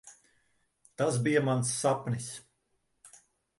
Tas bija mans sapnis.